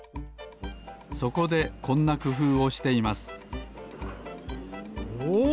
そこでこんなくふうをしていますお！